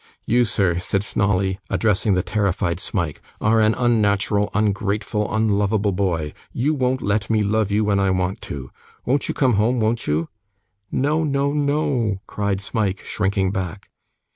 'You, sir,' said Snawley, addressing the terrified Smike, 'are an unnatural, ungrateful, unlovable boy. You won't let me love you when I want to. Won't you come home, won't you?' 'No, no, no,' cried Smike, shrinking back.